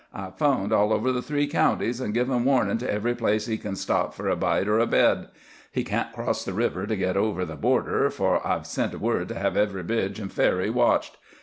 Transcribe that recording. I've 'phoned all over the three counties, and given warnin' to every place he kin stop for a bite or a bed. He can't cross the river to get over the Border, for I've sent word to hev every bridge an' ferry watched.